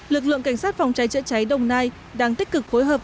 lực lượng cảnh sát phòng cháy chữa cháy đồng nai đang tích cực phối hợp